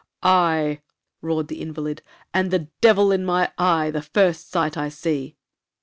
'Aye,' roared the invalid, 'and the devil in my eye the first sight I see.'